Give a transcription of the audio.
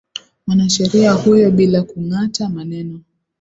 mwanasheria huyo bila kungata maneno